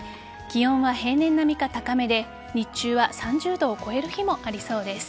気温は平年並みか高めで日中は３０度を超える日もありそうです。